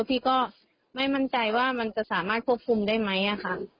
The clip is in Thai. พี่ก็ไม่มั่นใจว่ามันจะสามารถควบคุมได้ไหมค่ะ